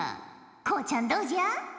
こうちゃんどうじゃ？